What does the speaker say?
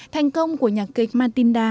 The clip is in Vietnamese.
thành công của nhạc kịch matinda